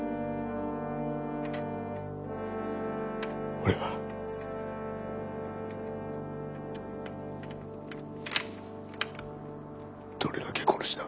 俺はどれだけ殺した？